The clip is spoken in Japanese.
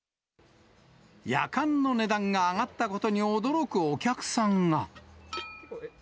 やかんの値段が上がったことに驚くお客さんが。